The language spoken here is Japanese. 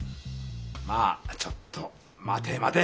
まぁちょっと待て待て。